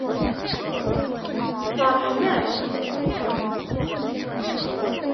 Tfeṛḥem akk.